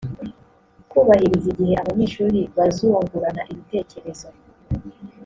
kubahiriza igihe abanyeshuri bazungurana ibitekerezo